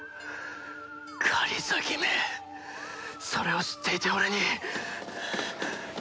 狩崎めそれを知っていて俺に！